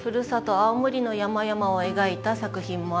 青森の山々を描いた作品もあります。